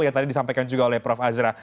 yang tadi disampaikan juga oleh prof azra